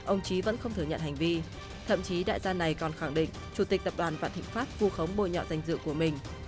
ông trí vẫn không thừa nhận hành vi thậm chí đại gia này còn khẳng định chủ tịch tập đoàn vạn thịnh pháp vu khống bôi nhọ danh dự của mình